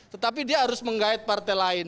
tetapi dia harus menggait partai lain